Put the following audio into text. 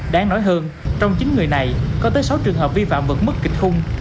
đáng nói hơn trong chín người này có tới sáu trường hợp vi phạm vẫn mức kịch khung